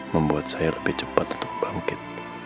membuat saya lebih cepat untuk bangkit